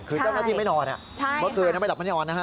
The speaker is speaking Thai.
คือเจ้านักที่ไม่นอนเมื่อคืนนั้นไปต่อไม่นอน